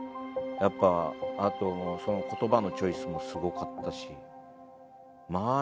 やっぱあとその言葉のチョイスもすごかったしま